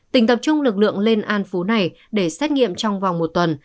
tỉnh tập trung lực lượng lên an phú này để xét nghiệm trong vòng một tuần